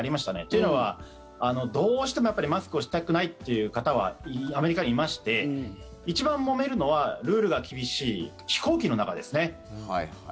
というのは、どうしてもやっぱりマスクはしたくないという方はアメリカにいまして一番もめるのはルールが厳しい飛行機の中ですね。